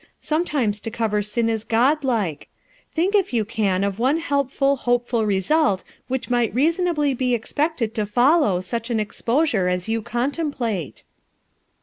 Sometimes to cover sin is God like. Think, if you can, of one helpful, hopeful result which might reasonably be ex pected to follow such an exposure as you con template."